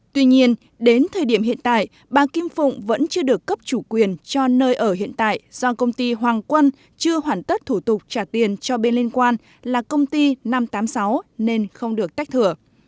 tuy nhiên đến thời điểm hiện tại bà kim phụng vẫn chưa được cấp chủ quyền cho nơi ở hiện tại do công ty hoàng quân chưa hoàn tất thủ tục trả tiền cho bên liên quan là công ty năm trăm tám mươi sáu nên không được tách thửa